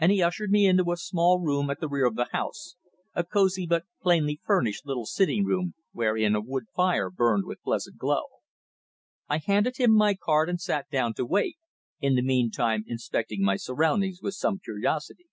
and he ushered me into a small room at the rear of the house, a cosy but plainly furnished little sitting room, wherein a wood fire burned with pleasant glow. I handed him my card and sat down to wait, in the meanwhile inspecting my surroundings with some curiosity.